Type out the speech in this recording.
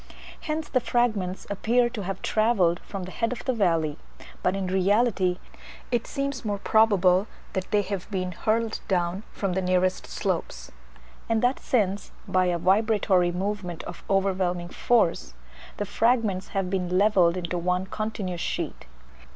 Hence the fragments appear to have travelled from the head of the valley; but in reality it seems more probable that they have been hurled down from the nearest slopes; and that since, by a vibratory movement of overwhelming force, the fragments have been levelled into one continuous sheet.